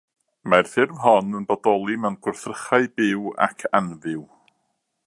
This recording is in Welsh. Mae'r ffurf hon yn bodoli mewn gwrthrychau byw ac anfyw.